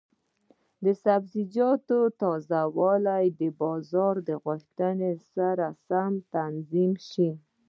د سبزیجاتو تازه والي د بازار د غوښتنې سره سم تنظیم شي.